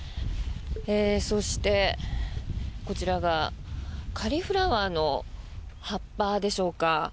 そして、こちらがカリフラワーの葉っぱでしょうか。